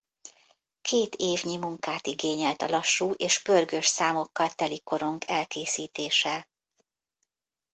Két évnyi munkát igényelt a lassú és pörgős számokkal teli korong elkészítése.